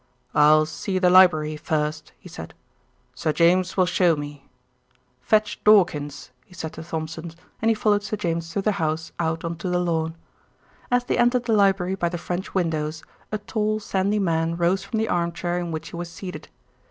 "I'll see the library first," he said. "Sir James will show me. Fetch Dawkins," he said to Thompson, and he followed Sir James through the house out on to the lawn. As they entered the library by the French windows, a tall, sandy man rose from the armchair in which he was seated.